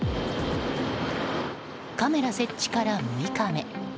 カメラ設置から、６日目。